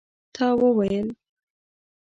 تا وویل?